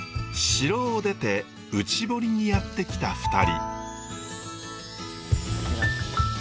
城を出て内堀にやって来た２人。